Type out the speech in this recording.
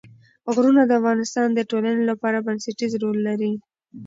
غرونه د افغانستان د ټولنې لپاره بنسټيز رول لري.